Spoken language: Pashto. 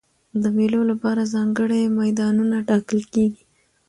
د مېلو له پاره ځانګړي میدانونه ټاکل کېږي.